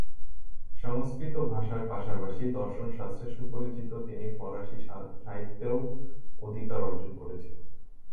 সংস্কৃত ভাষার পাশাপাশি দর্শনশাস্ত্রে সুপরিচিত তিনি ফরাসি সাহিত্যেও অধিকার অর্জন করেছিলেন।